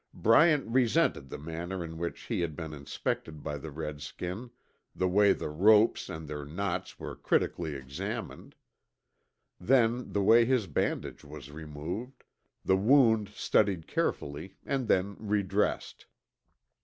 Bryant resented the manner in which he had been inspected by the redskin, the way the ropes and their knots were critically examined; then the way his bandage was removed, the wound studied carefully and then redressed.